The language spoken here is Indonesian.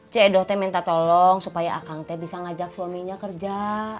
cedoh minta tolong supaya akang bisa ngajak suaminya kerja